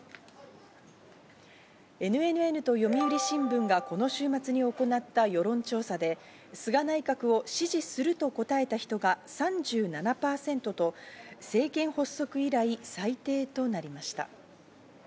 ＮＮＮと読売新聞がこの週末に行った世論調査で、菅内閣を支持すると答えた人が３７％と政権発足以来、最低となりました。